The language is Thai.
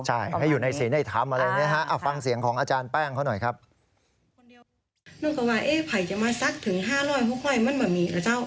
ใช่ให้อยู่ในเสน่ห์ในธรรมอะไรอย่างนี้ฮะ